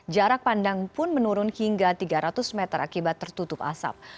jarak pandang pun menurun hingga tiga ratus meter akibat tertutup asap